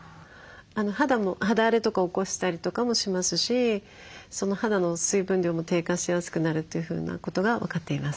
肌荒れとか起こしたりとかもしますし肌の水分量も低下しやすくなるというふうなことが分かっています。